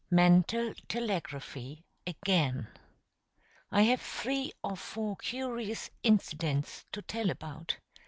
MENTAL TELEGRAPHY AGAIN I have three or four curious incidents to tell about.